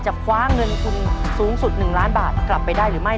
คว้าเงินทุนสูงสุด๑ล้านบาทกลับไปได้หรือไม่